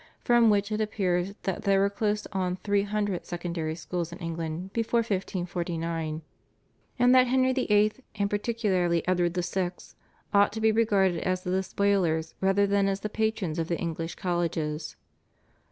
from which it appears that there were close on three hundred secondary schools in England before 1549, and that Henry VIII. and particularly Edward VI. ought to be regarded as the despoilers rather than as the patrons of the English colleges.